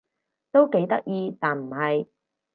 都幾得意但唔係